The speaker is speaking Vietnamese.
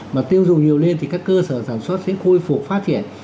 mà tiêu dùng nhiều lên thì các cơ sở sản xuất sẽ khôi phục phát triển